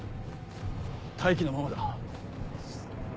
待機のままだ。